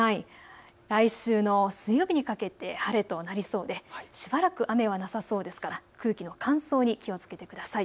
来週の水曜日にかけて晴れとなりそうでしばらく雨はなさそうですから空気の乾燥に気をつけてください。